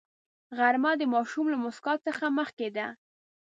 غرمه د ماشوم له موسکا څخه مخکې ده